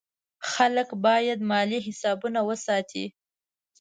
خلک باید د مالیې حسابونه وساتي.